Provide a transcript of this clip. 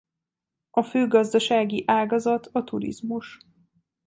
A fő gazdasági ágazat a turizmus.